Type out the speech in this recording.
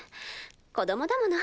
子供だもの。